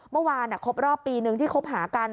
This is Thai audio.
เมื่อวานครบรอบปีนึงที่คบหากัน